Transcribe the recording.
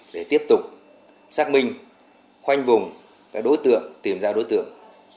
để tiếp tục xác minh khoanh vùng các đối tượng tìm ra đối tượng